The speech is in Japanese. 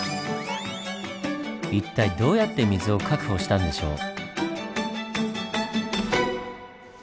一体どうやって水を確保したんでしょう？